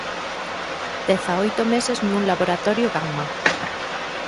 dezaoito meses nun laboratorio gamma.